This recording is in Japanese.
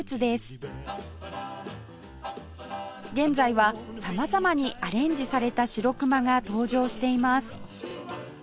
現在は様々にアレンジされた白くまが登場しています